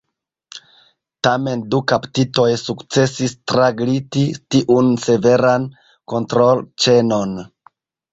Tamen du kaptitoj sukcesis tragliti tiun severan kontrolĉenon.